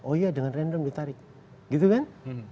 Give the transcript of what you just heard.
oh iya dengan random ditarik gitu kan